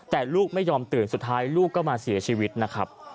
แต่ลูกไม่ยอมตื่นสุดท้ายลูกก็มาเสียชีวิตนะครับ